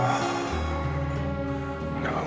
aduh pusing banget gue ya allah